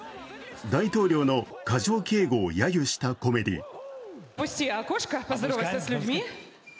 大統領の過剰警護をやゆしたコメディー。